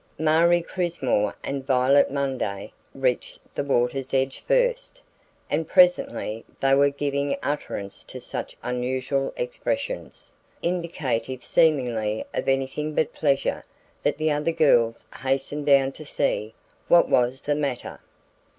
Marie Crismore and Violet Munday reached the water's edge first, and presently they were giving utterance to such unusual expressions, indicative seemingly of anything but pleasure that the other girls hastened down to see what was the matter.